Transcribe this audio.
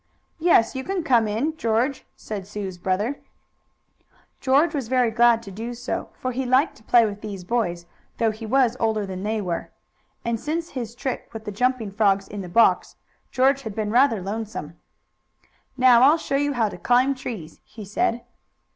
"Yes, you can come in, George," said Sue's brother. George was very glad to do so, for he liked to play with these boys, though he was older than they were. And since his trick with the jumping frogs, in the box, George had been rather lonesome. "Now I'll show you how to climb trees!" he said.